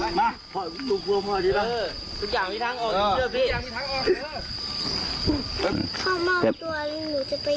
เพราะถ้าเกิดพ่อไม่มีใครแต่พ่อก็ยังมีย่า